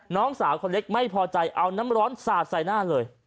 น้องสาวคนเล็กไม่พอใจเอาน้ำร้อนสาดใส่หน้าเลย